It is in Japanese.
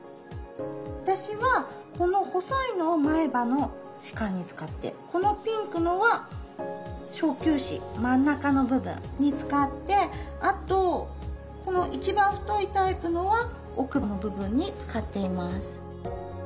私はこの細いのを前歯の歯間に使ってこのピンクのは小臼歯真ん中の部分に使ってあとこの一番太いタイプのは奥歯の部分に使っています。